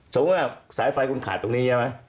สมมุติว่าสายไฟคุณขาดตรงนี้ใช่ไหม